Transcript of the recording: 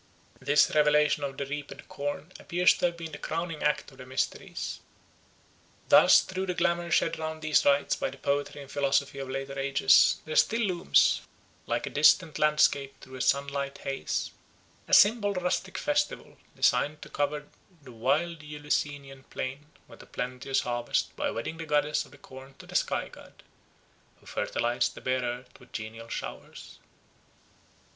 This revelation of the reaped corn appears to have been the crowning act of the mysteries. Thus through the glamour shed round these rites by the poetry and philosophy of later ages there still looms, like a distant landscape through a sunlit haze, a simple rustic festival designed to cover the wide Eleusinian plain with a plenteous harvest by wedding the goddess of the corn to the sky god, who fertilised the bare earth with genial showers.